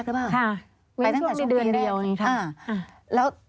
ครับไปตั้งแต่ช่วงปีเดือนเดียว